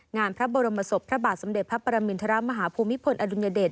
งานพระบรมศพพระบาทสมเด็จพระปรมินทรมาฮภูมิพลอดุลยเดช